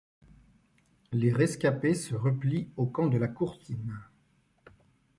Les rescapés se replient au camp de la Courtine.